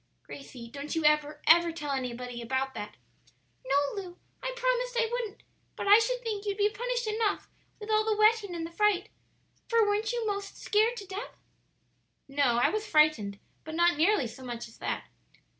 Gracie, don't you ever, ever tell anybody about that." "No, Lu; I promised I wouldn't. But I should think you'd be punished enough with all the wetting and the fright; for weren't you most scared to death?" "No; I was frightened, but not nearly so much as that.